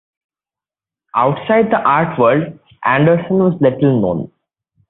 Outside the art world, Anderson was little known.